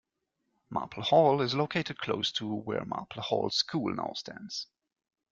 Marple Hall is located close to where Marple Hall School now stands.